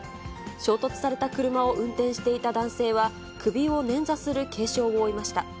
衝突された車を運転していた男性は、首を捻挫する軽傷を負いました。